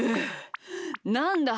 なんだ？